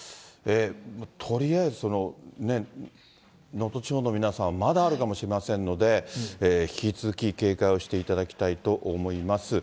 とりあえず、能登地方の皆さん、まだあるかもしれませんので、引き続き警戒をしていただきたいと思います。